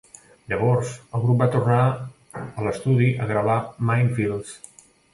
Llavors, el grup va tornar a l'estudi a gravar "Mindfields".